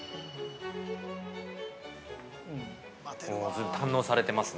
随分堪能されてますね。